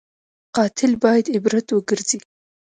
قاتل باید عبرت وګرځي